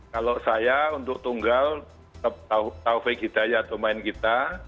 kalau saya untuk tunggal tetap taufik hidayat pemain kita